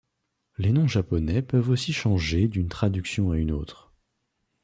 Les noms japonais peuvent aussi changer d'une traduction à une autre.